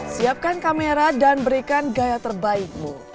siapkan kamera dan berikan gaya terbaikmu